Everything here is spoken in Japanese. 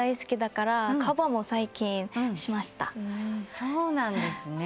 そうなんですね。